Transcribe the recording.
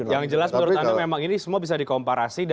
yang jelas menurut anda memang ini semua bisa dikomparasi